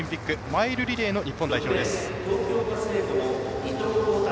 マイルリレーの日本代表です。